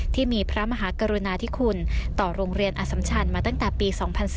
ที่มีพระมหากรุณาธิคุณต่อโรงเรียนอสัมชันมาตั้งแต่ปี๒๔